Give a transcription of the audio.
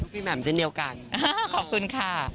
แหม่มเช่นเดียวกันขอบคุณค่ะ